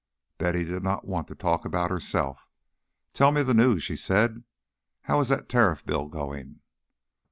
Betty did not want to talk about herself. "Tell me the news," she said. "How is that Tariff Bill going?"